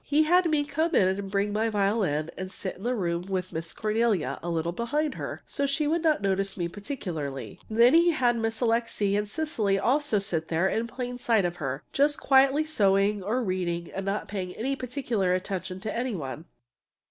He had me come in and bring my violin and sit in the room with Miss Cornelia, a little behind her, so she would not notice me particularly. Then he had Miss Alixe and Cecily also sitting there in plain sight of her, just quietly sewing or reading and not paying any particular attention to any one.